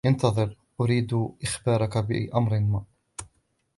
انتظر، أريد إخبارك بأمر ما.